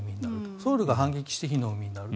ソウルが反撃して火の海になると。